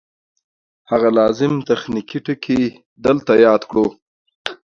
هغه لازم تخنیکي ټکي دلته یاد کړو